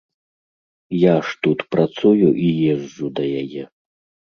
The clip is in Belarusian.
Я ж тут працую і езджу да яе.